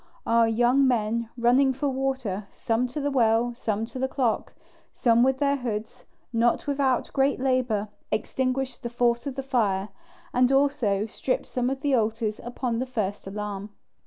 Our young men, running for water, some to the well, some to the clock, some with their hoods, not without great labour, extinguished the force of the fire, and also stripped some of the altars upon the first alarm.